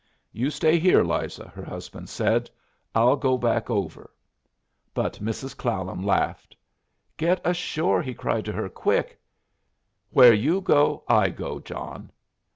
"You stay here, Liza," her husband said. "I'll go back over." But Mrs. Clallam laughed. "Get ashore," he cried to her. "Quick!" "Where you go, I go, John."